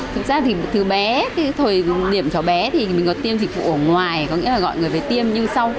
thực ra thì từ bé thời niệm cháu bé thì mình có tiêm dịch vụ ở ngoài có nghĩa là gọi người về tiêm như sau